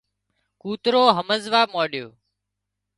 ڪوترو همزوا مانڏيو